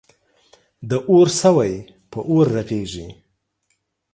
د اور سوی په اور رغیږی.